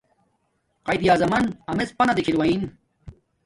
قایداعظمن امیڎ پانہ دیکھیل وین